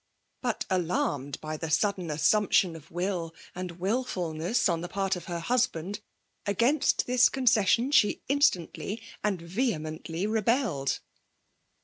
But, alarmed by the sudden assumption of will and wilfulness on the part of her husband, against this conces sion she instantly and vehemently rebelled.